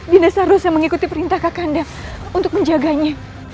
dinda seharusnya mengikuti perintah kak kanda untuk menjaganya